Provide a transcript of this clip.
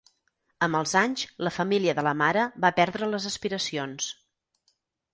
Amb els anys la família de la mare va perdre les aspiracions.